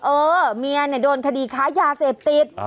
เออเมียโดนคดีค้ายาเสพติด